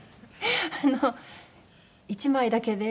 あの１枚だけで。